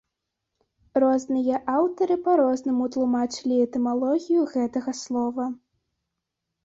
Розныя аўтары па рознаму тлумачылі этымалогію гэтага слова.